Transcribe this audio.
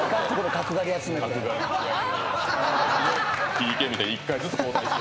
ＰＫみたいに１回ずつ交代して。